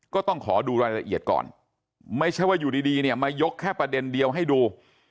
ก็ต้องขอดูรายละเอียดก่อนไม่ใช่ว่าอยู่ดีเนี่ยมายกแค่ประเด็นเดียวให้ดู